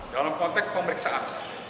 dalam konteks pemeriksaan